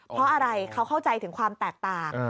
เพราะอะไรเขาเข้าใจถึงความแตกต่าง